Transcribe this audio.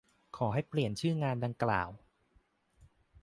ขอให้เปลี่ยนชื่องานดังกล่าว